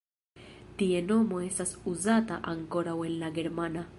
Tie nomo estas uzata ankoraŭ en la germana.